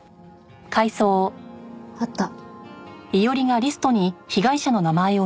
あった。